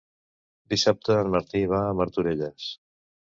Dissabte en Martí va a Martorelles.